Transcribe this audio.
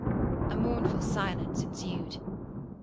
A mournful silence ensued.